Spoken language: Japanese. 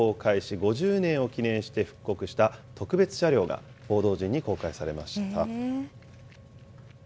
５０年を記念して復刻した特別車両が報道陣に公開されました。